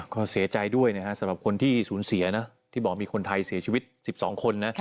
ก็เสียใจด้วยนะครับสำหรับคนที่สูญเสียนะที่บอกมีคนไทยเสียชีวิต๑๒คนนะ